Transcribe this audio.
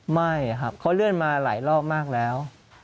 ไม่ครับเขาเลื่อนมาหลายรอบมากแล้ว